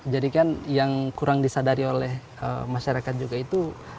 jadi kan yang kurang disadari oleh masyarakat juga itu